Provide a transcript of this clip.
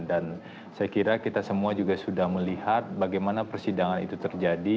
dan saya kira kita semua juga sudah melihat bagaimana persidangan itu terjadi